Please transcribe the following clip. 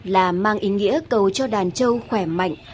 là mang ý nghĩa cầu cho đàn trâu khỏe mạnh